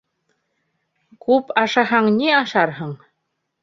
Күп ашаһаң ни ашарһың?